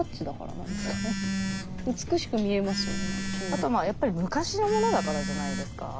あとはやっぱり昔のものだからじゃないですか。